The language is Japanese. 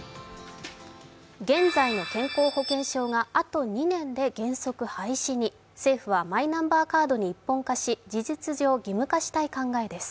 現在の健康保険証があと２年で原則廃止に、政府はマイナンバーカードに一本化し、事実上、義務化したい考えです。